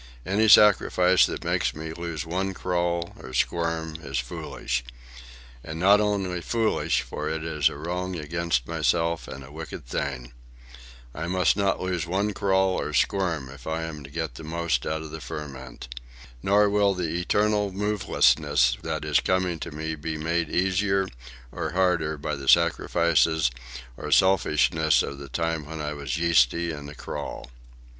Any sacrifice that makes me lose one crawl or squirm is foolish,—and not only foolish, for it is a wrong against myself and a wicked thing. I must not lose one crawl or squirm if I am to get the most out of the ferment. Nor will the eternal movelessness that is coming to me be made easier or harder by the sacrifices or selfishnesses of the time when I was yeasty and acrawl."